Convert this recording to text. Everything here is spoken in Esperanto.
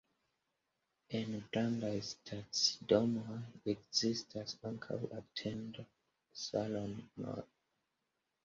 En grandaj stacidomoj ekzistas ankaŭ atendo-salonoj.